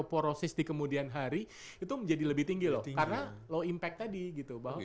porosis di kemudian hari itu menjadi lebih tinggi loh karena low impact tadi gitu bahwa